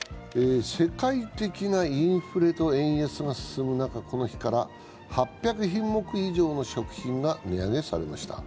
世界的なインフレと円安が進む中、この日から、この日から８００品目以上の食品が値上げされました。